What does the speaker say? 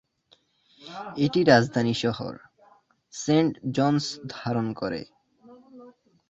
এটি রাজধানী শহর, সেন্ট জনস ধারণ করে।